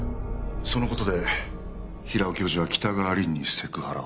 その事で平尾教授は北川凛にセクハラを？